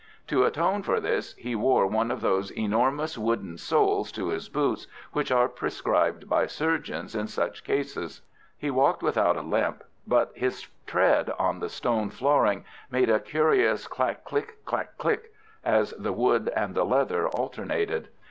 To atone for this he wore one of those enormous wooden soles to his boots which are prescribed by surgeons in such cases. He walked without a limp, but his tread on the stone flooring made a curious clack click, clack click, as the wood and the leather alternated.